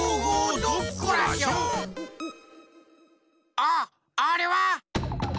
あっあれは！